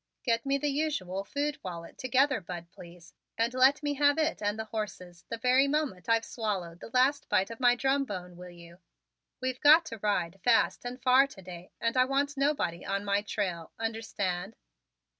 Get me the usual food wallet together, Bud, please, and let me have it and the horses the very moment I've swallowed the last bite of my drum bone, will you? We've got to ride fast and far to day and I want nobody on my trail. Understand?"